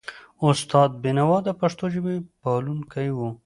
استاد بینوا د پښتو ژبي پالونکی و.